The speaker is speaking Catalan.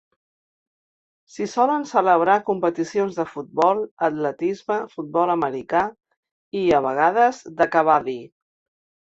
S'hi solen celebrar competicions de futbol, atletisme, futbol americà i, a vegades, de kabaddi.